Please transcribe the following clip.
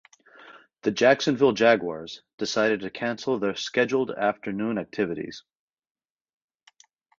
The Jacksonville Jaguars decided to cancel their scheduled afternoon activities.